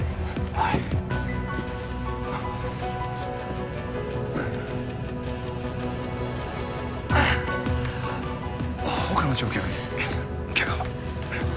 はい他の乗客にケガは？